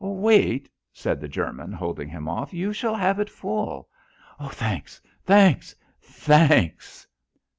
"Wait," said the German, holding him off, "you shall have it full." "Thanks—thanks—thanks."